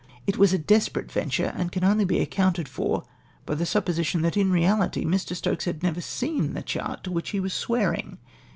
It w^as a desperate venture, and can only be accoimted for by the supposition that, in reahty, ]\Ii . Stokes had never seen the chart to which he was swearing.